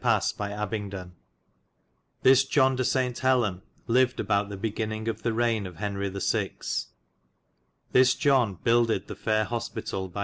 2 LELAND'S ITINERARY This John de Seint Helen lyvyed about the begininge of the reigne of Henry the 6. This John buildyd the faire hospitall by S.